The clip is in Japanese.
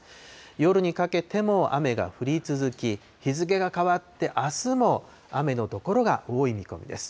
夜にかけても雨が降り続き、日付が変わってあすも、雨の所が多い見込みです。